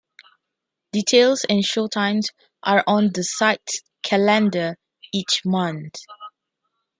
Details and showtimes are on the site's calendar each month.